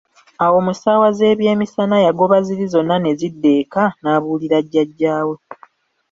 Awo mu ssaawa ze byemisana yagoba ziri zonna ne zidda eka nabuulira jajjaa we.